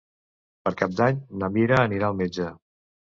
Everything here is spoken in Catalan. Per Cap d'Any na Mira anirà al metge.